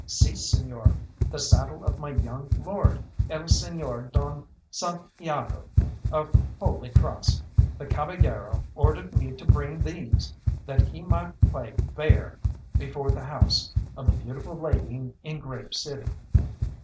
"Si Señor, the saddle of my young lord el Señor Don Sant Iago, of Holy Cross. The caballero ordered me to bring these, that he might play bear before the house of a beautiful lady in Grave City."